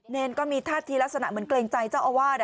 เนรก็มีท่าทีลักษณะเหมือนเกรงใจเจ้าอาวาส